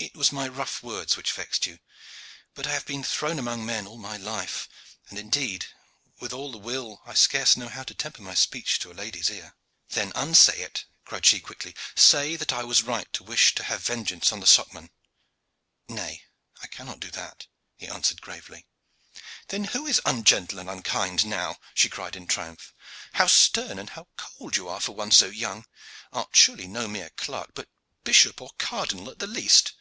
"It was my rough words which vexed you; but I have been thrown among men all my life, and indeed, with all the will, I scarce know how to temper my speech to a lady's ear." "Then unsay it," cried she quickly; "say that I was right to wish to have vengeance on the Socman." "Nay, I cannot do that," he answered gravely. "Then who is ungentle and unkind now?" she cried in triumph. "How stern and cold you are for one so young! Art surely no mere clerk, but bishop or cardinal at the least.